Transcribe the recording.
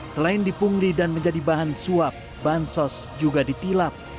selain dipungli dan menjadi bahan suap bansos juga ditilap